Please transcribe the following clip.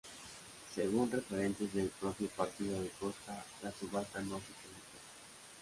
Según referentes del propio partido de Costa, la subasta no se publicó.